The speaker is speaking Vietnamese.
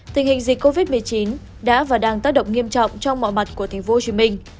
tình hình dịch covid một mươi chín đã và đang tác động nghiêm trọng trong mọi mặt của thành phố hồ chí minh